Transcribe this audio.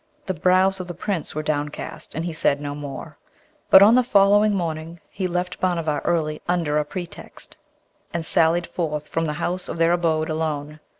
The brows of the Prince were downcast, and he said no more; but on the following morning he left Bhanavar early under a pretext, and sallied forth from the house of their abode alone.